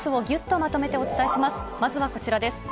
まずはこちらです。